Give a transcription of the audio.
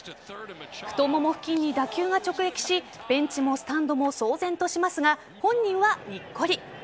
太もも付近に打球が直撃しベンチもスタンドも騒然としますが本人はにっこり。